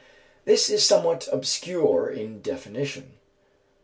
'" This is somewhat obscure in definition.